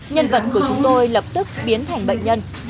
nhân vật của chúng tôi lập tức biến thành bệnh nhân